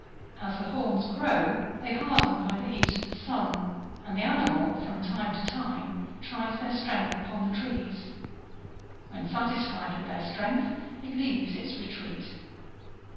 As the horns grow, they harden by the heat of the sun, and the animal, from time to time, tries their strength upon the trees ; when satisfied with their strength, it leaves its retreat.